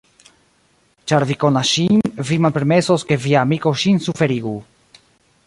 Ĉar vi konas ŝin, vi malpermesos, ke via amiko ŝin suferigu.